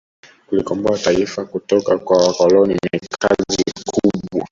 kulikomboa taifa kutoka kwa wakoloni ni kazi kubwa